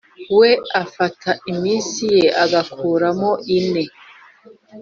we afata iminsi ye agakuramo ine